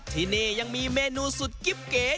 ที่นี่ยังมีเมนูสุดกิ๊บเก๋